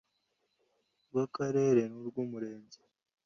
rw Akarere n urw Umurenge